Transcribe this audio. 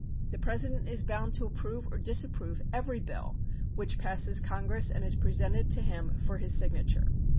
The President is bound to approve or disapprove every bill which passes Congress and is presented to him for his signature.